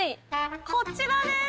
こちらです！